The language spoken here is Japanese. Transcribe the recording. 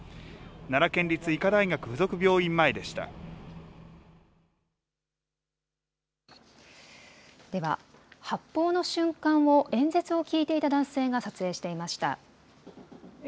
奈良県立医科大学附属病院前でしでは、発砲の瞬間を演説を聞いていた男性が撮影していました。